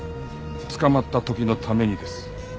捕まった時のためにです。